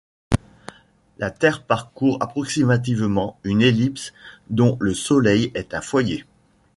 La Terre parcourt approximativement une ellipse dont le Soleil est un foyer.